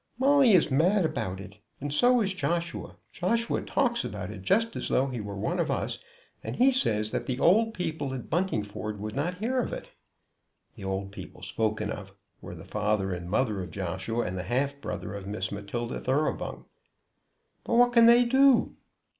"Molly is mad about it and so is Joshua. Joshua talks about it just as though he were one of us, and he says that the old people at Buntingford would not hear of it." The old people spoken of were the father and mother of Joshua, and the half brother of Miss Matilda Thoroughbung. "But what can they do?"